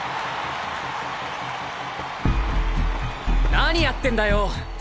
何やってんだよ！？